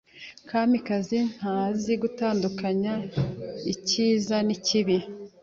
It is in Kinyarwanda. Kamikazi ntazi gutandukanya icyiza n'ikibi.